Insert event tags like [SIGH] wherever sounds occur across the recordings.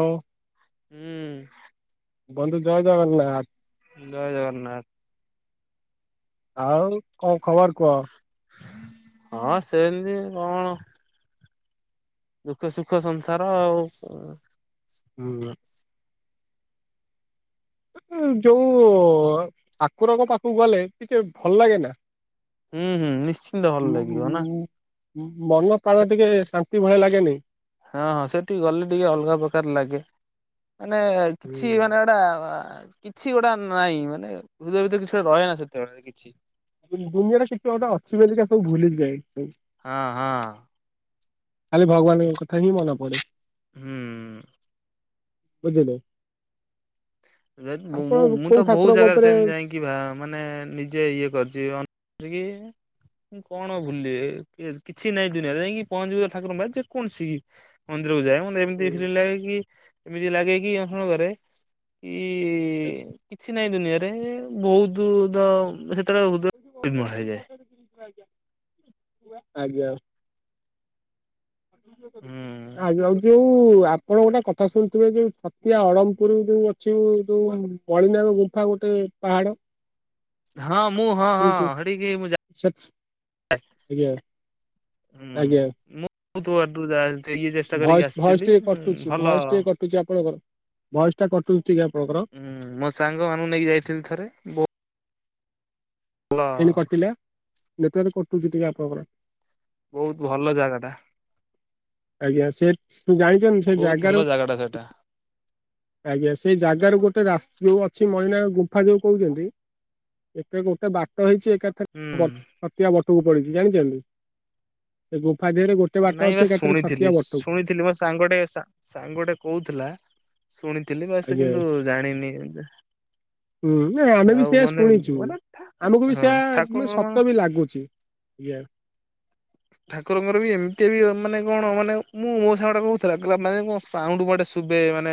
ହଉ। ହୁଁ। ବନ୍ଧୁ ଜୟ ଜଗନ୍ନାଥ। ଜୟ ଜଗନ୍ନାଥ। ଆଉ କଣ ଖବର କୁହ? ହଁ ସେମିତି କଣ? ଦୁଃଖ ସୁଖ ସଂସାର ଆଉ। ହୁଁ। ଯୋଉ ଠାକୁରଙ୍କ ପାଖକୁ ଗଲେ ଟିକେ ଭଲ ଲାଗେ ନା। ହୁଁ ହୁଁ ନିଶ୍ଚିନ୍ତ ଭଲ ଉ ଉ ଲାଗିବ ନା। ଉ ମନ ପ୍ରାଣ ଟିକେ ଶାନ୍ତି ଭଳିଆ ଲାଗେନି। ହଁ ହଁ ସେଠିକି ଗଲେ ଟିକେ ଅଲଗା ପ୍ରକାର ଲାଗେ। ମାନେ କିଛି ମାନେ ଗଇଟା କିଛି ଗୋଟା ନାଇଁ। ମାନେ ହୃଦୟ ଭିତରେ କିଛି ଗୋଟେ ରହେ ନା ସେତେବେଳେ କିଛି। ଦୁନିଆରେ କିଛି ଗୋଟେ ଅଛି ବୋଲି ସବୁ ଭୁଲିଯାଏ। ହଁ ହଁ। ଖାଲେ ଭଗବାନଙ୍କ କଥା ହିଁ ମନେ ପଡେ। ହୁଁ। ହୁଁ। ବୁଝିଲେ। ଆପଣ ମୁଁ ମୁଁ କୋଉ ତ ବହୁତ ଠାକୁରଙ୍କ ଜାଗାରେ ଉପରେ ସେମିତି ଯାଇଁକି କି ମାନେ ନିଜେ ଇଏ କରିଛି। ଅନ କି ମୁଁ କଣ ଭୁଲେ କିଛି ନାଇଁ ଦୁନିଆରେ। ଯାଇକି ପହଞ୍ଚିବ ଠାକୁରଙ୍କ ପାଖରେ ଯେକୌଣସି କି ମନ୍ଦିରକୁ ଯାଏ। ମତେ ଏମିତି ଫିଲ୍ମ ଲାଗେ କି ଏମିତି ଲାଗେଇକି ଅଣ କରେ। କି କିଛି ନାହିଁ ଦୁନିଆରେ। ବହୁତ ଦ ସେ ଆଜ୍ଞା। ଆ ହୁଁ ଯୋଉ ଯୋଉ। ଆପଣ ଗୋଟେ କଥା ଶୁଣୁଥିବେ ଯୋଉ ଛତିଆ ଅଳମପୁର ଯୋଉ ଅଛି। ଯୋଉ କଳିନାଗ ଗୁମ୍ଫା ଗୋଟେ ପାହାଡ। ହଁ ମୁଁ ହଁ ହଁ ଶୁଣିଥିବେ ହେଟିକି ମୁଁ ସେଠ୍ ଯାଏ। ଆଜ୍ଞା ହୁଁ ଆଜ୍ଞା ମୁଁ ବହୁତ ଇଏ ଚେଷ୍ଟା କରିକି ଭଏସ୍ ଭଏସ୍ ଆସିଥିଲି। ଟିକେ କଟୁଛି ଭଲ ଭଏସ୍ ଟିକେ କଟୁଛି ଆପଣଙ୍କର ଭୟସ୍ ଟା କଟୁଛି ଟିକେ ଆପଣଙ୍କର। ହୁଁ ମୋ ସାଙ୍ଗ ମାନଙ୍କୁ ନେଇକି ଯାଇଥିଲି ଥରେ। ବୋ ଏ କଟିଲା ନେଟୱାର୍କ କଟୁଛି ଟିକେ ଆପଣଙ୍କର। ବହୁତ ଭଲ ଜାଗାଟା। ଆଜ୍ଞା ସେ ତୁ ଜାଣିଛନ୍ତି ସେ ବହୁତ ଭଲ ଜାଗାରୁ ସେଟା ସେଇଟା। ଆଜ୍ଞା ସେଇ ଜାଗାରୁ ଗୋଟେ ରା ଯୋଉ ଅଛି ମଇନା ଗୁମ୍ଫା ଯୋଉ କହୁଛନ୍ତି। ଏତେ ଗୋଟେ ବାଟ ହେଇଛି। ଏକା ହୁଁ। ଛତିଆ ବଟକୁ ପଡିଛି ଜାଣିଛନ୍ତି। ସେ ଗୁମ୍ଫା ଦେହରେ ଗୋଟେ ବାଟ ନାଇଁ ଅଛି ବା ଏକାଥରେ ଛତିଆ ଶୁଣିଥିଲି। ବଟକୁ ଶୁଣିଥିଲି ମୋ ସାଙ୍ଗଟେ ସାଙ୍ଗଟେ କହୁଥିଲା। ଶୁଣିଥିଲି ବାସ ଆଜ୍ଞା କିନ୍ତୁ ଜାଣିନି ଏତେ। ହୁଁ ନା ଆମେ ବି ସେଇଆ ଶୁଣିଛୁ। ମାନେ ଆମକୁ ବି ହଁ ସେୟା ମ ଠାକୁରଙ୍କର ମାନେ ସତ ବି ଲାଗୁଛି। ଆଜ୍ଞା। ଠାକୁରଙ୍କର ବି ଏମିତି ବି ମାନେ କଣ ମାନେ ମୁଁ ମୋ ସାଙ୍ଗଟେ କହୁଥିଲା ମାନେ କଣ ସାଉଣ୍ଡ ଗୋଟେ ସୁବେ ମାନେ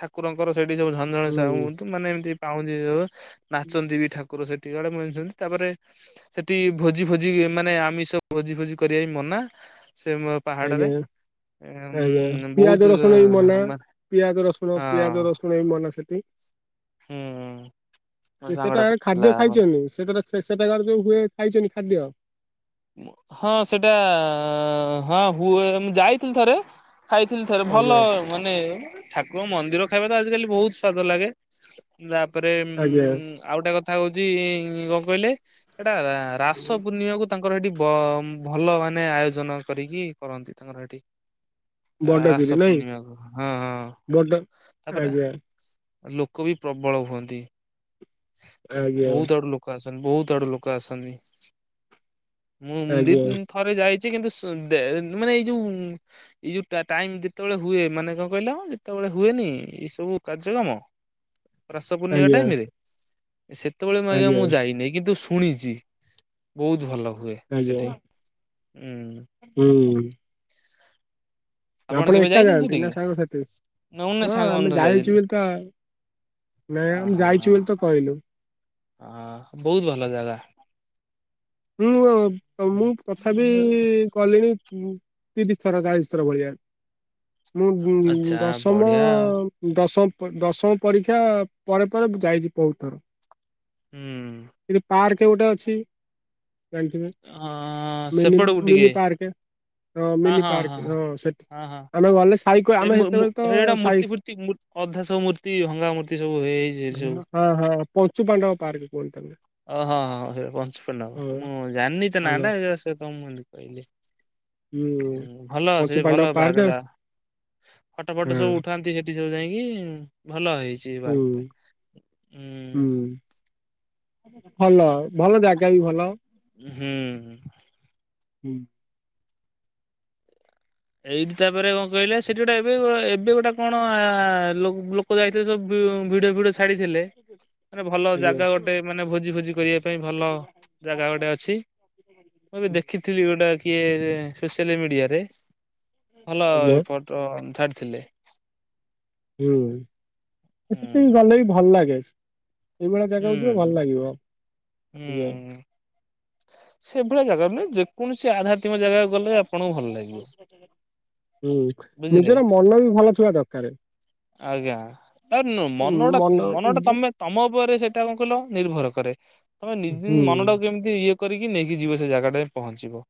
ଠାକୁରଙ୍କର ସେଇଠି ସବୁ ଝନ୍ ସଞ୍ଜବେଳେ ସାହୁ ହୁଁ ହୁଅନ୍ତୁ ମାନେ ଏମିତି ପାଉଞ୍ଜି ଯ ନାଚନ୍ତି ବି ଠାକୁ କୁକୁର ସେଠି କାଳେ ମିଳିଛନ୍ତି। ତାପରେ ସେଠି ଭୋଜ ଫୋଜି ମାନେ ଆମିଷ ଭୋଜି ଫୋଜି କରିବାବି ମନା ସେ ପାହାଡରେ ଆଜ୍ଞା ଆଜ୍ଞା ଉଁ ବହୁତ ପିଆଜ ରସୁଣ ବି ମନା ମାନେ ପିଆଜ ରସୁଣ ପିଆଜ ହଁ। ରସୁଣ ଶଣେଇ ମନ ସେଠି ହୁଁ। ମୋ ସାଙ୍ଗଟା ସେଟା କହୁଥିଲା ଖାଦ୍ୟ ମାନେ ଖାଇଛନ୍ତି ସେଠାରେ ସେଠାକାର ଯୋଉ ହୁଏ ଖାଇଛନ୍ତି ଖାଦ୍ୟ? ହଁ ସେଇଟା ହଁ ହୁଏ ମୁଁ ଯାଇଥିଲି ଥରେ ଖାଇଥିଲି ଥରେ ଭଲ ଆଜ୍ଞା ମାନେ ଠାକୁର ମନ୍ଦିର ଖାଇବା ତ ଆଜିିକାଲି ବହୁତ ସ୍ଵାଦ ଲାଗେ ତାପରେ ଉ ଆଜ୍ଞା ଆଉ ଗୋଟେ କଥା ହଉଚ କଣ କହିଲେ ହେଟା ରାସ ପୂର୍ଣ୍ଣିମାକୁ ତାଙ୍କର ହେଠି ଭଲ ମାନେ ଆୟୋଜନ କରିକି କରନ୍ତି ତାଙ୍କର ହେ। ବଡଗିରି ରାସ ନାଇଁ ପୂର୍ଣ୍ଣିମାକୁ ହଁ ହଁ ବଡ ତାପରେ ଆଜ୍ଞା ଲୋକ ବି ପ୍ରବଳ ହୁଅନ୍ତି ଆଜ୍ଞା ବହୁତ ଆଡୁ ଲୋକ ଲୋକ ଆସନ୍ତି ବହୁତ ଆଡୁ ଲୋକ ଆସନ୍ତି ମୁଁ ଦି ଆଜ୍ଞା ଥରେ ଯାଇଛି କିନ୍ତୁ ସ ଦେ ମାନେ ଏଇ ଯୋଉ ଏଇ ଯୋଉ ଟା ଟାଇମ ଯେତେବେଳେ ହୁଏ ମାନେ କଣ କହିଲ ଯେତେବେଳେ ହୁଏନି ଏଇ ସବୁ କାର୍ଯ୍ୟକ୍ରମ ରାସ ପୂର୍ଣ୍ଣିମା ଆଜ୍ଞା ଟାଇମ ରେ? ସେତେବେଳେ ଆଜ୍ଞା ମୁଁ ଯାଇନେଇ କିନ୍ତୁ ଶୁଣିଛି। ବହୁତ ଭଲ ହୁଏ ଆଜ୍ଞା ସେଠ ଉୁଁ। ହୁଁ। ଆପଣ କେବେ ଏକା ଯାଇଛନ୍ତି ଯାଆନ୍ତି ନା ସେଠିକି ସାଙ୍ଗସଥି ନା ଉନେ ହଁ ସାଙ୍ଗମାନେ ଆମେ ସବୁ ଯାଇଥିଲେ ଯାଇଛୁ ବୋଲି ତ ନାଇଁ ଆମେ ଯାଇଛୁ ବୋଲି ତ କହିଲୁ। ହଁ ବହୁତ ଭଲ ଜାଗା। ହୁଁ ତ ମୁଁ ତଥାପି ହୁଁ କଲିଣି ତିରିଶ ଥର ଚାଳିଶ ଥର ଭଳିଆ। ମୁଁ ଆଚ୍ଛା ଦଶମ ବଢିଆ ଆଉ ଦଶମ ପ ଦଶମ ପରୀକ୍ଷା ପରେ ପରେ ମୁଁ ଯାଇଛି ବହୁତ ଥର। ହୁଁ। ଏଇ ଯୋଉ ପାର୍କ ଗୋଟେ ଅଛି। ଜାଣିଥିବେ ଆଁ ମିନି ସେପଟକୁ ଟିକେ। ମିନି ପାର୍କ ହଁ ମିନି ହଁ ହଁ ପାର୍କ ସେଠି ହଁ ହଁ ଆମେ ଗଲେ ସାଇ ସେ ଆମେ ମୁ ମୁ ସେତେବେଳେ ତ ସେଇଟା ସାଇ ମୂର୍ତ୍ତି ଫୁର୍ତ୍ତି ମୁ ଅଧା ସବୁ ମୂର୍ତ୍ତି ଭଙ୍ଗା ମୂର୍ତ୍ତି ସବୁ ହେଇଯାଇଛି ସେ ସବୁ। ହଁ ହଁ ପଞ୍ଚୁ ପାଣ୍ଡବ ପାର୍କ କୁହନ୍ତି ତାକୁ ଓହୋ ହ ପଞ୍ଚୁ ପାଣ୍ଡବ। ହଁ ମୁଁ ଜାଣିନି ତ ନା ଆଉ ଟା ସେ ତମକୁ ଏମିତି କହିଲି। ହଁ ହୁଁ ଭଲ ସେ ପଞ୍ଚୁ ପାଣ୍ଡବ ଭଲ ପାର୍କ ବାହାଘର ଟା ଫଟୋ ହଁ ଫଟ ସବୁ ଉଠ ଠାନ୍ତି ସେଠି ସବୁ ଯାଇକି ଭଲ ହେଇଛି। ଏ ହୁଁ ପାର୍କ ଟା। ହୁଁ। ଉଁ ଭଲ ଭଲ ଜାଗା ବି ଭଲ। ହୁଁ। ହୁଁ। ଏଇଠି ତାପରେ କଣ କହିଲେ ସେଠି ଗୋଟେ ଏବେ ଏବେ ଗୋଟେ କଣ ଲୋଗ ଲୋକ୍ କ ଯାଇଥିଲେ ସବୁ ଭି ଭିଡିଓ ଫିଡିଓ ଛାଡିଥିଲେ ମାନେ ଭଲ ଜାଗା ଆଜ୍ଞା ଗୋଟେ ମାନେ ଭୋଜି ଫୋଜି କରିବା ପାଇଁ ଭଲ ଜାଗା ଗୋଟେ ଅଛି। ମୁଁ ଏବେ ଆଜ୍ଞା ଦେଖିଥିଲି ଗୋଟା କିଏ ସେ ସୋସିଆଲ ମିଡିଆରେ। ଭଲ ଏ ଫଟୋ ଅନ୍ଧାରଥିଲେ। ହୁଁ ସେଠିକୀ ହୁଁ ଗଲେ ବି ଭଲ ଲାଗେ। ଏଇଭଳିଆ ଜାଗାକୁ ଯିବା ଭଲ ହୁଁ। ଲାଗିବ ହୁଁ ଆଜ୍ଞା। ହୁଁ ସେଭଳିଆ ଜାଗା ମାନେ ଯେକୌଣସି ଆଧ୍ୟା [INAUDIBLE] ହୁଁ ବୁଝିଲେ ନିଜର ମନ ବି ଭଲ ଥିବା ଦରକାରେ। ଆଜ୍ଞା ତାନ ଉଁ ମନ ଟା ଉ ମନଟା ହୁଁ ତମେ ତମ ଉପରେ ସେଇଟା କଣ କହିଲ ନିର୍ଭର କରେ ତମେ ନିଜେ ମନଟା କୁ ହୁଁ କେମ ଇଏ କରିକି ନେଇକି ଯିବ ସେ ଜାଗା ଟାରେ ପହଞ୍ଚିବ।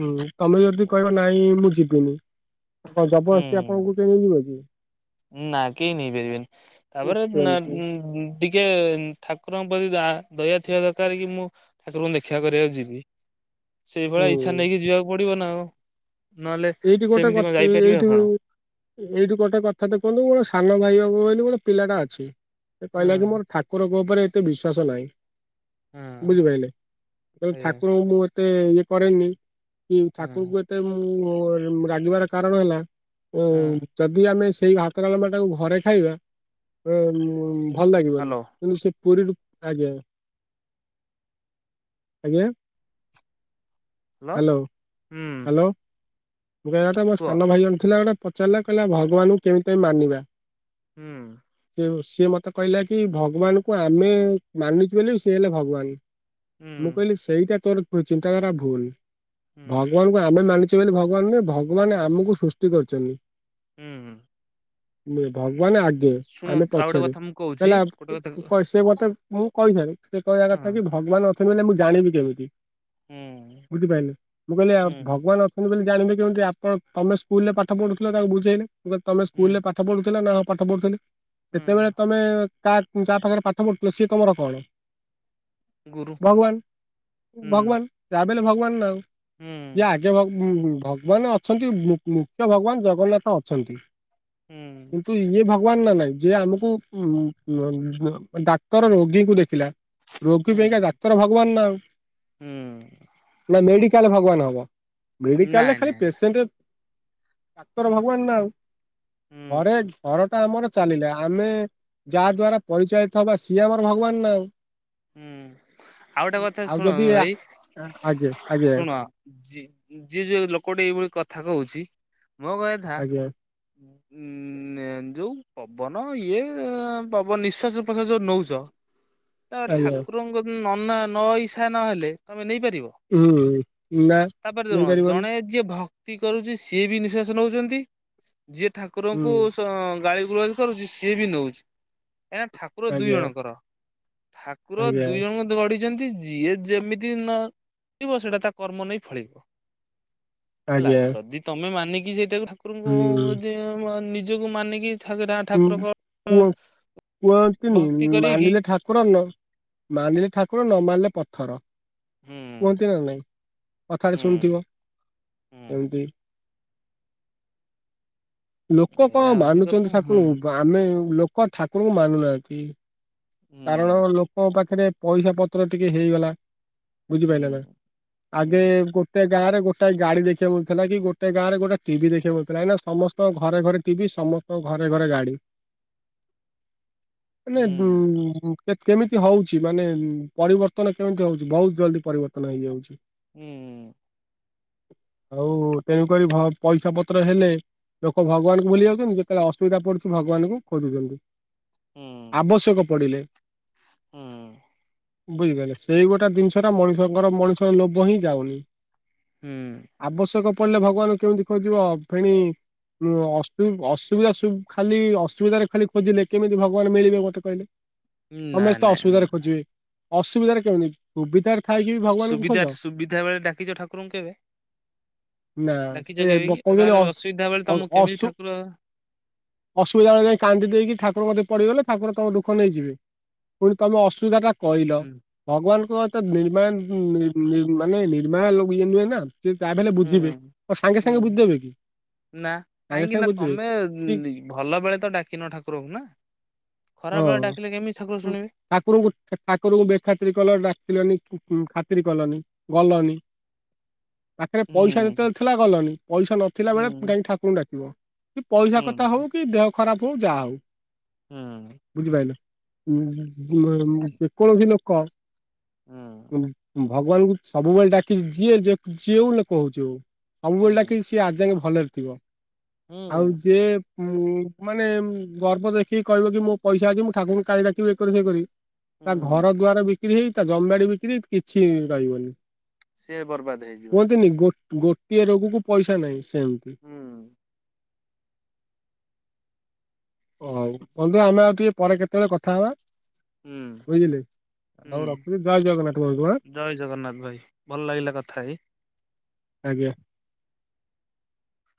ହୁଁ ତମେ ଯଦି କହିବ ନାଇଁ ମୁଁ ଯିବିନି ଜବରଦସ୍ତି ହୁଁ ଆପଣଙ୍କୁ ନେଇଯିବ କି? ନା କେ ନେଇପାରିବେନି ହୁଁ ତାପରେ ନା ସେମିତି ଉଁ ଗୁଁ। ଟିକେ ଠାକୁରଙ୍କ ପ୍ରତି ଦା ଦୟା ଥିବା ଦରକାର କି ମୁଁ ଠାକୁରଙ୍କୁ ଦେଖା କରିବାକୁ ଯିବି ସେଇଭଳିଆ ହୁଁ ଇଚ୍ଛା ନେଇକି ଯିବାକୁ ପଡିବ ନା ଆଉ। ନହେଲେ ସେମିତି କଣ ଯାଇପାରିବେ ଆପଣ? ଏଇଠୁ ଗୋଟେ କଥାଟେ କୁହନ୍ତୁଁ ସାନ ଭାଇ ହବ ବୋଲି ଗୋଟେ ପିଲାଟା ଅଛି। ସେ ହୁଁ କହିଲା କି ମୋର ଠାକୁରଙ୍କ ଉପରେ ଏତେ ବିଶ୍ଵାସ ନାହିଁ। ହୁଁ ବୁଝିପାରିଲେ ତେଣୁ ଆଜ୍ଞା ଠାକୁର ଙ୍କୁ ମୁଁ ଏତେ ଇଏ କରେନି। କି ହୁଁ ଠାକୁରଙ୍କୁ ଏତେ ମୁଁ ରାଗିବାର କାରଣ ହେଲା ଉଁ ହୁଁ ଯଦି ଆମେ ସେଇ ହାତ ଡାଳମା ଟାକୁ ଘରେ ଖାଇବା ଭଲ ଏ ମ ଲାଗିବନି। ହ୍ୟାଲୋ କିନ୍ତୁ ସେ ପୁରୀରୁ ଆଜ୍ଞା ଆଜ୍ଞା। ହ୍ୟାଲୋ ହୁଁ। ହ୍ୟାଲୋ ମୁଁ କହିବା କଥା କୁହ ସାନ ଭାଇ ଜଣ ଥିଲା ଗୋଟେ ପଚାରିଲା କହିଲା ଭଗବାନଙ୍କୁ କେମିତି ମାନିବା? ହୁଁ। ସେ ସିଏ ମତେ କହିଲା କି ଭଗବାନଙ୍କୁ ଆମେ ମାନୁଛୁ ବୋଲି ସିଏ ହେଲେ ଭଗବାନ। ହୁଁ ମୁଁ କହିଲି ସେଇଟା ତୋର ଚିନ୍ତାଧାରା ଭୁଲ। ହୁଁ ଭଗବାନଙ୍କୁ ଆମେ ମାନିଛେ ବୋଲି ଭଗବାନ ନୁହେଁ ଭଗବାନ ଆମକୁ ସୃଷ୍ଟି କରିଛନ୍ତି। ହୁଁ। ନୁଏ ଭଗବାନ ଆଗେ ଶୁଣୁ ଆମେ ଆଉ ଗୋଟେ ପଛରେ କଥା ମୁଁ କହୁଛି ହେଲା ଗୋଟେ କଥା କଣ ସେ ମତେ ମୁଁ କହିଥିଲିସେ କହିବା ହଁ କଥା କି ଭଗବାନ ଅଛନ୍ତି ବୋଲି ମୁଁ ଜାଣିବି କେମିତି? ହୁଁ। ବୁଝିପାରିଲେ ମୁଁ କହିଲି ଆଉ ହୁଁ ଭଗବାନ ଅ ଜାଣିବେ କେମିତି ଆପଣ ତମେ ସ୍କୁଲରେ ପାଠ ପଢୁଥିଲ ତାକୁ ବୁଝେଇଲେ ତମେ ହୁଁ ସ୍କୁଲ ରେ ପାଠ ପଢୁଥିଲା ନା ନା ପାଠ ପଢୁଥିଲେ ହୁଁ ସେତେବେଳେ ତମେ କା ଯାହା ପାଖରେ ପାଠ ପଢୁଥିଲ ସିଏ ତମର କଣ? ଗୁରୁ ଭଗବାନ ହୁଁ ଭଗବାନ ଯାହାବି ହେଲେ ଭଗବାନ ନା ଆଉ ହୁଁ ଜା ଯେ ଭଗ୍ ଉଁ ଭଗବାନ ଅଛନ୍ତି ମୁ ମୁଖ୍ୟ ଭଗବାନ ଜଗନ୍ନାଥ ଅଛନ୍ତି। ହୁଁ କିନ୍ତୁ ଇଏଭାବ କୁହ ନା ନାଇଁ ଯିଏ ଆମକୁ ଡାକ୍ତର ରୋଗୀଙ୍କୁ ଦେଖିଲା। ରୋଗୀ ହୁଁ ପାଇଁକା ଡାକ୍ତର ଭଗବାନ ନା ଆଉ। ହୁଁ। ନା ମେଡିକାଲରେ ଭଗବାନ ହବ ମେଡିକାଲରେ ନାଇଁ ଖାଲି ନାଇଁ ନାଇଁ ପେସେଣ୍ଟ ଡାକ୍ତର ଭଗବାନ ନା ଆଉ ହୁଁ ଘରେ ଘର ଟା ଆମର ଚାଲିଲେ ଆମେ ଯାହା ଦ୍ଵାରା ପରିଚୟିତ ହବା ସିଏ ଆମର ଭଗବାନ ଆଉ। ହୁଁ ଆଉ ଗୋଟେ କଥା ଶୁଣନ ଭାଇ ଆଜ୍ଞା ଆଜ୍ଞା ଶୁଣ। ଯିଏ ଯୋଉ ଲୋକଟି ଏଇଭଳି କଥା କହୁଛି ମୋ କହିଆଥା ଆଜ୍ଞା ଉ ଯୋଉଁ ପବନ ଇଏ ପବନ ନିଶ୍ୱାସ ପ୍ରସ୍ୱାସ ଯୋଉ ନେଉଛ ତ ଆଜ୍ଞା ଠାକୁରଙ୍କ ନ ନା ନ ଇଛା ନହେଲେ ତମେ ନେଇପାରିବ। ହୁଁ ନା ତାପରେ କଣ ନେଇପାରିବନି। ଜଣେ ଯିଏ ଭକ୍ତି କରୁଛି ସିଏ ବି ନିଶ୍ଵାସ ନଉଛନ୍ତି ଯିଏ ହୁଁ ଠାକୁରଙ୍କୁ ଗାଳି ଗୁଲଜ କରୁଛି ସିଏ ବି ନଉଛି କାହିଁକିନା ଠାକୁର ଦୁଇ ଆଜ୍ଞା ଜଣଙ୍କର। ଠାକୁର ଆଜ୍ଞା ଦୁଇ ଜଣ ଗଢିଛନ୍ତି ଯିଏ ଯେମିତି ନ ସେଇଟା ତା କର୍ମ ନେଇ ଫଳିବ। [INAUDIBLE] ହେଲା ଯଦି ତମେ ମାନିକି ସେଇଟାକୁ ଠାକୁରଙ୍କୁ ହୁଁ ଯେ ବ ନିଜକୁ ମାନିକି ଥାଗେରା ହୁଁ ଠାକୁରଙ୍କ କୁହ କୁହନ୍ତିନି ଭକ୍ତି କରିକି ମାନିଲେ ଠାକୁର ନ ମାନିଲେ ଠାକୁର ନ ମାନିଲେ ପଥର। ହୁଁ କୁହନ୍ତି ନା ନାଇଁ କଥାରେ ଶୁଣିୁଥିବ ହୁଁ ହୁଁ ଏମିତି। ଲୋକ କଣ ଏଇଆ ହଉଛି କଥା ମାନୁଛନ୍ତି ହୁଁ ଠାକୁରଙ୍କୁ ଗ ଆମେ ଲୋକ ଠାକୁରଙ୍କୁ ମାନୁ ନାହାନ୍ତି। କାରଣ ହୁଁ ଲୋକଙ୍କ ପାଖରେ ପଇସା ପତ୍ର ଟିକେ ହେଇଗଲା। ବୁଝିପାଇଲେ ନା ହୁଁ ଆଗେ ହୁଁ ଗୋ ଟେ ଗାଁରେ ଗୋଟାଏ ଗାଡ଼ି ଦେଖିବାକୁ ମିଳୁଥିଲା କି ଗୋଟେ ଗାଁରେ ଗୋଟେ ଟିଭି ଦେଖିବା ବାକୁ ମିଳୁଥିଲା ଏଇନା ସମସ୍ତଙ୍କ ଘରେ ଘରେ ଟିଭି ସମ ତଙ୍କ ଘରେ ଘରେ ଗାଡ଼ି ମାନେ ହୁଁ ଯୋଉ ହୁଁ କେ-କେମିତି ହଉଛି ମାନେ ପରିବର୍ତ୍ତନ କେମିତି ହଉଛି ବହୁତ ଜଲ୍ଦି ପରିବର୍ତ୍ତନ ହେଇଯାଉଛି। ହୁଁ। ହଉ ତେଣୁକରି ଭ ପଇସା ପତ୍ର ହେଲେ ଲୋକ ଭଗବାନଙ୍କୁ ଭୁଲି ଯାଉଛନ୍ତି ଯେତେବେଳେ ଅସୁବିଧା ପଡ଼ୁଛି ଭଗବାନଙ୍କୁ ଖୋଜୁଛନ୍ତି। ହୁଁ ଆବଶ୍ୟକ ପଡ଼ିଲେ। ହୁଁ। ବୁଝିପାଇଲ ସେଇ ଗୋଟା ଜିନିଷଟ ମଣିଷଙ୍କର ମଣିଷର ଲୋଭ ହିଁ ଯାଉନି। ହୁଁ। ଆବଶ୍ୟକ ପଡ଼ିଲେ ଭଗବାନଙ୍କୁ କେମିତି ଖୋଜିବ ଫେଣି ଉଁ ଅସୁବି ଅସୁବିଧା ସୁବ୍ ଖାଲି ଅସୁବିଧାରେ ଖାଲି ଖୋଜିଲେ କେମିତି ଭଗବାନ ମିଳିବେ ମତେ କହିଲେ। ନାଇଁ ସମେସ୍ତେ ଅସୁବିଧାରେ ନାଇଁ ଖୋଜିବେ ଅସୁବିଧାରେ କେମିତି ସୁବିଧାରେ ଥାଇକି ବି ଭଗବାନଙ୍କୁ ଖୋଜ ସୁବିଧାରେ ସୁବିଧା ବେଳେ ଡାକିଛ ଠାକୁରଙ୍କୁ କେବେ? ନା ଡାକିଛ ସେ କେବେ ବ କି କହିବେନି ତାହେଲେ ଅସୁବିଧା ବେଳେ ତମକୁ କେମିତି ଅ-ଅ-ଅସୁ ଠାକୁର ଅସୁବିଧାବେଳେ ଯାଇ କାନ୍ଦି ଦେଇକି ଠାକୁରଙ୍କ କ୍ଷତିରେ ପଡ଼ିଗଲେ ଠାକୁର ତମ ଦୁଃଖ ନେଇଯିବେ ପୁଣି ତମେ ଅସୁବିଧା ଟା କହିଲ ହୁଁ ଭଗବାନ୍ କଁ ଏତ ନିର୍ମାନ୍ ନିର୍ ନିର୍ ମାନେ ନିର୍ମାୟ ଲୋକ ଇଏ ନୁହେଁ ନା। ସିଏ କାହା ବି ହେଲେ ବୁଝିବେ ହୁଁ କଁ ସାଙ୍ଗେ ସାଙ୍ଗେ ହୁଁ ବୁଝିଦେବେ କି? ନା ସାଙ୍ଗେ କାହିଁକି ସାଙ୍ଗେ ନା ବୁଝିଦେବେ ତମେ ଠିକ ଗୁଁ ଭଲ ବେଳେ ତ ଡାକିନ ଠାକୁରଙ୍କୁ ନା। ହଁ ଖରାପ ବେଳେ ଡାକିଲେ କେମିତି ଠାକୁର ଉଁ। ଶୁଣିବେ? ଠାକୁରଙ୍କୁ ଠାକୁରଙ୍କୁ ବେଖାତିର କଲ ଡାକିଲନି କି ଖାତିରି କଲନି ଗଲନି। ପାଖେରେ ପଇସା ହୁଁ ଯେତେବେଳେ ଥିଲା ଗଲନି ପଇସା ନଥିଲା ବେଳେ ହୁଁ ଯାଇକି ଠାକୁରଙ୍କୁ ଡାକିବ। କି ପଇସା ହୁଁ କଥା ହଉ କି ଦେହ ଖରାପ ହଉ ଯାହା ହଉ। ହୁଁ। ବୁଝିପାଇଲେ [UNINTELLIGIBLE] ଯେ କୌଣସି ଲୋକ ହୁଁ ଉଁ ଭଗବାନଙ୍କୁ ସବୁବେଳେ ଡାକିଚି ଯିଏ ଯେ ଯେଉଁ ଲୋକ ହଉଛି ହଉ। ସବୁବେଳେ ହୁଁ ଡାକିଚି ସିଏ ଆଜି ଯାଙ୍କେ ଭଲରେ ଥିବ। ଆଉ ହୁଁ ଯିଏ ଉଁ ମାନେ ଗର୍ବ ଦେଖେଇକି କହିବ କି ମୋ ପଇସା ଅଛି ମୁଁ ଠାକୁରଙ୍କୁ କାହିଁ ଡାକିବି ଇଏ କରିବି ସିଏ କରିବି ତା ଘର ହୁଁ ଦ୍ୱାର ବି ବିକ୍ରି ହେଇ ତା ଜମିବାଡ଼ି ବିକ୍ରି ହେଇ କିଛି ରହିବନି ସିଏ ବର୍ବାଦ ହେଇଯିବ କୁହନ୍ତିନି ଗୋ ଗୋଟିଏ ରୋଗକୁ ପଇସା ନାହିଁ ସେମିତି। ହୁଁ ହଉ ବନ୍ଧୁ ଆମେ ଆଉ ଟିକେ ପରେ କେତେବେଳେ କଥା ହବା। ହୁଁ। ବୁଝିଲେ ହୁଁ ଆଉ ରଖୁଛି ଜୟ ଜଗନ୍ନାଥ ବନ୍ଧୁ ଆଁ ଜୟ ଜଗନ୍ନାଥ ଭାଇ ଭଲ ଲାଗିଲା କଥା ହେଇ। ଆଜ୍ଞା।